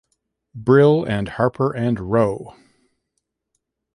Brill and Harper and Row.